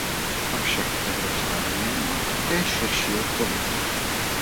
Avšak Evropská unie má také širší odpovědnost.